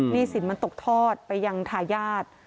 สินมันตกทอดไปยังทายาท